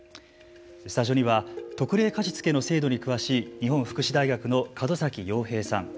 スタジオには特例貸付の制度に詳しい日本福祉大学の角崎洋平さん。